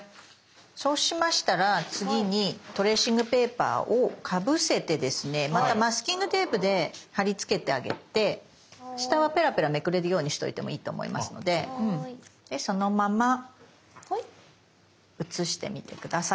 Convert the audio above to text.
そうしましたら次にトレーシングペーパーをかぶせてですねまたマスキングテープで貼り付けてあげて下はペラペラめくれるようにしといてもいいと思いますのででそのまま写してみて下さい。